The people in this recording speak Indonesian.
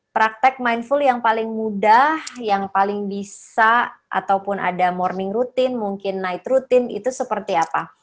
praktek mindful yang paling mudah yang paling bisa ataupun ada morning rutin mungkin night rutin itu seperti apa